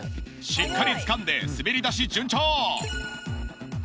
しっかりつかんで滑り出し順調。